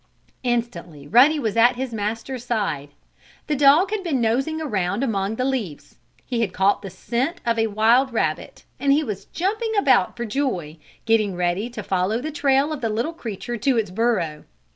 Instantly Ruddy was at his master's side. The dog had been nosing around among the leaves. He had caught the scent of a wild rabbit, and he was jumping about for joy, getting ready to follow the trail of the little creature to its burrow.